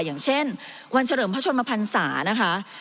อย่างเช่นวันเฉลิมพระชนมพันศานะคะ